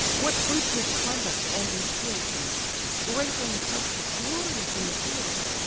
What fruits his conduct and his courage yield! Great in the council, glorious in the field.